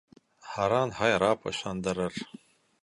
Һаран һайрап ышандырыр.